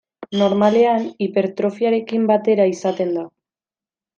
Normalean hipertrofiarekin batera izaten da.